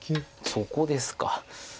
そこですか。